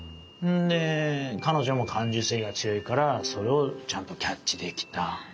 で彼女も感受性が強いからそれをちゃんとキャッチできた。